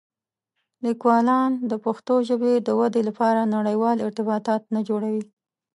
لیکوالان د پښتو ژبې د ودې لپاره نړيوال ارتباطات نه جوړوي.